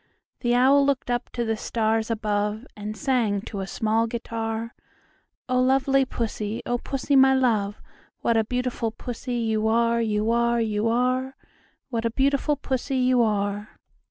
The Owl looked up to the stars above, And sang to a small guitar, "O lovely Pussy, O Pussy, my love, What a beautiful Pussy you are, You are, You are! What a beautiful Pussy you are!"